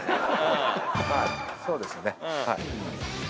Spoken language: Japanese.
そうですよね。